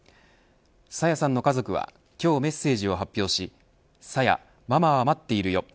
朝芽さんの家族は今日メッセージを発表しさや、ママは待っているよ